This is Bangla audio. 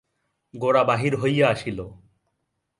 গোরা বাহির হইয়া আসিল।